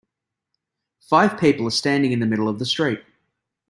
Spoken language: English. Five people are standing in the middle of the street.